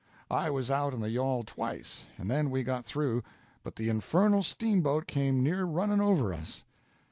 I was out in the yawl twice, and then we got through, but the infernal steamboat came near running over us